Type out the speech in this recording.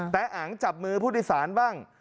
แต่อังจับมือผู้โดยสารบ้าง